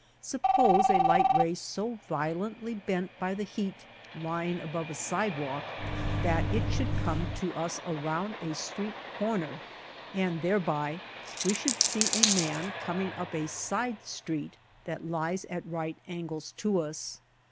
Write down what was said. Sup pose a light ray so violently bent by the heat lying above a sidewalk that it should come to us around a street corner, and thereby we should see a man coming up a side street that lies at right angles to us.